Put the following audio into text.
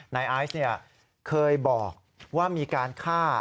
นายอายสเนี่ยเคยบอกว่ามีการฆ่า